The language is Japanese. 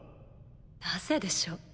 なぜでしょう？